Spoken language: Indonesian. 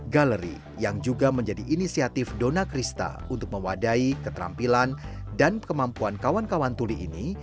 galeri yang juga menjadi inisiatif dona krista untuk mewadai keterampilan dan kemampuan kawan kawan tuli ini